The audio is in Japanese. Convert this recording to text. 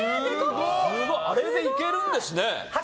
すごい！あれでいけるんですね。